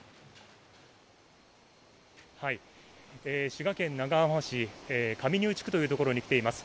滋賀県長浜市、上丹生地区というところに来ています。